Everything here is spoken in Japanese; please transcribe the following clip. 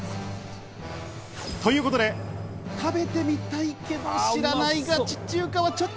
ということで食べてみたいけど知らないガチ中華。